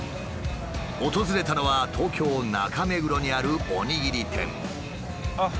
訪れたのは東京中目黒にあるおにぎり店。